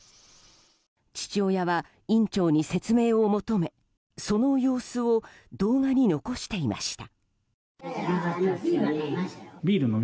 父親は院長に説明を求めその様子を動画に残していました。